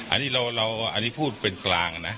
อันนี้พูดเป็นกลางนะ